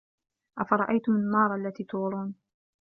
أَفَرَأَيتُمُ النّارَ الَّتي تورونَ